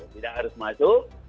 tidak harus masuk